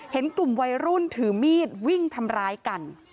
เห็นกลุ่มวัยรุ่นถือมีดวิ่งทำร้ายกัน